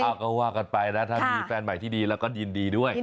ก็ว่ากันไปนะถ้ามีแฟนใหม่ที่ดีแล้วก็ยินดีด้วย